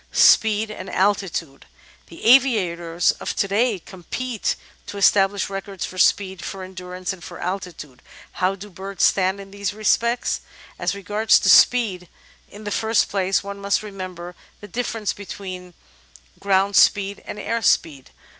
Speed and Altitude The aviators of to day compete to establish records for speed, for endurance, and for altitude. How do birds stand in these re spects? As regards speed, in the first place one must remember the diflFerence between "groimd speed" and "air speed."